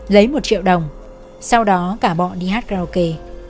lấy một triệu đồng sau đó cả bọn đi hát karaoke